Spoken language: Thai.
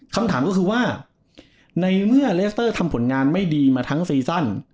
คำถามก็คือว่าในเมื่อเลสเตอร์ทำผลงานไม่ดีมาทั้งซีซั่น